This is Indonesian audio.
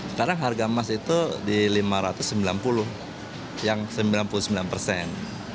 sekarang harga emas itu di lima ratus sembilan puluh yang sembilan puluh sembilan persen